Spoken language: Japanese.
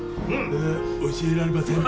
え教えられません。